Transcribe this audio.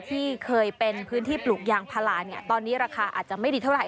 ที่เคยเป็นพื้นที่ปลูกยางพาราเนี่ยตอนนี้ราคาอาจจะไม่ดีเท่าไห